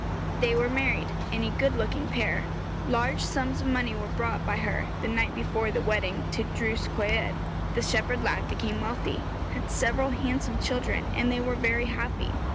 They were married a good looking pair. Large sums of money were brought by her, the night before the wedding, to Drws Coed. The shepherd lad became wealthy, had several handsome children, and they were very happy.